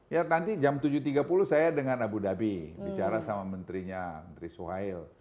ya nanti jam tujuh tiga puluh saya dengan abu dhabi bicara sama menterinya menteri suhail